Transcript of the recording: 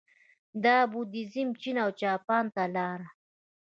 دا بودیزم چین او جاپان ته لاړ